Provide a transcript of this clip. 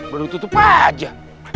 belum tutup aja